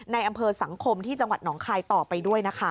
ในอำเภอสังคมที่จังหวัดหนองคายต่อไปด้วยนะคะ